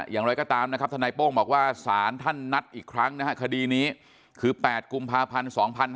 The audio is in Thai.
อย่างไรก็ตามนะครับทนายโป้งบอกว่าสารท่านนัดอีกครั้งนะฮะคดีนี้คือ๘กุมภาพันธ์๒๕๕๙